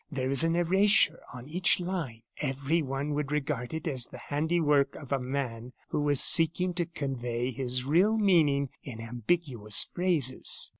There is an erasure on each line. Everyone would regard it as the handiwork of a man who was seeking to convey his real meaning in ambiguous phrases."